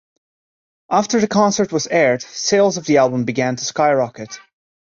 After the concert was aired, sales of the album began to skyrocket.